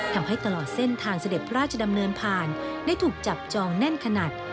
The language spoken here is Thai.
ทำให้ตลอดเส้นทางเสด็จพระราชดำเนินผ่านได้ถูกจับจองแน่นขนาด